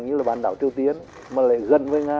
như là bản đảo triều tiến mà lại gần với nga